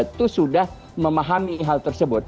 itu sudah memahami hal tersebut